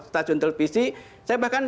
stasiun televisi saya bahkan